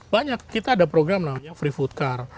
banyak kita ada program namanya free food car